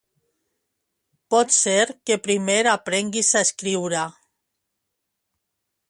Potser que primer aprenguis a escriure